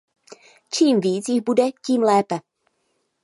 Čím víc jich bude, tím lépe.